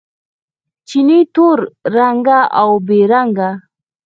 چینې تور رنګه، اوبه بې رنګه